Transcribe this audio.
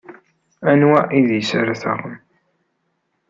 Anwa idis ara taɣem?